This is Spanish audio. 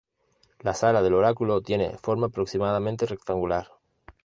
La Sala del Oráculo tiene forma aproximadamente rectangular.